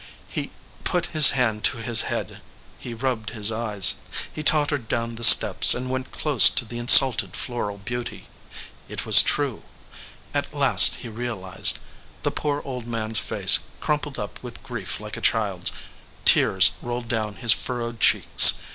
He put his hand to his head, he rubbed his eyes. He tottered down the steps, and went close to the insulted floral beauty. It was true. At last, he realized. The poor old man s face crum pled up with grief like a child s. Tears rolled down his furrowed cheeks.